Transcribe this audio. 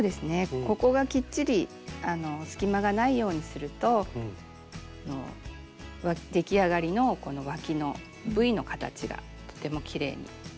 ここがきっちり隙間がないようにすると出来上がりのこのわきのＶの形がとてもきれいにできます。